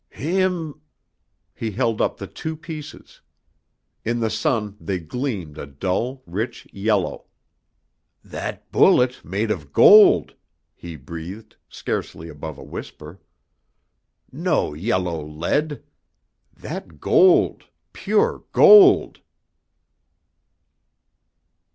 "Heem " He held up the two pieces. In the sun they gleamed a dull, rich yellow. "That bullet made of gold!" he breathed, scarcely above a whisper. "No yellow lead. That gold, pure gold!"